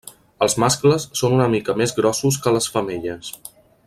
Els mascles són una mica més grossos que les femelles.